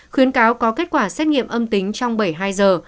khuyến cáo có kết quả xét nghiệm âm tính trong bảy mươi hai giờ